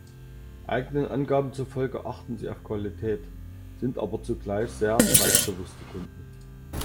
Eigenen Angaben zufolge achten sie auf Qualität, sind aber zugleich sehr preisbewusste Kunden.